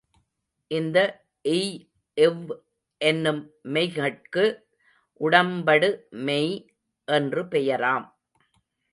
இந்த ய், வ் என்னும் மெய்கட்கு உடம்படு மெய் என்று பெயராம்.